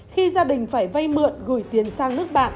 khi gia đình phải vay mượn gửi tiền sang nước bạn